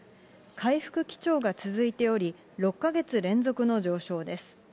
回復基調が続いており、６か月連続の上昇です。